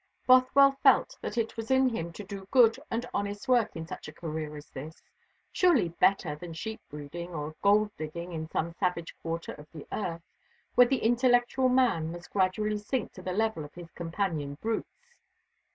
Bothwell felt that it was in him to do good and honest work in such a career as this; surely better than sheep breeding or gold digging in some savage quarter of the earth, where the intellectual man must gradually sink to the level of his companion brutes.